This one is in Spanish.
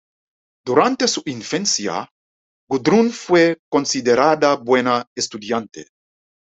Durante su infancia, Gudrun fue considerada buena estudiante.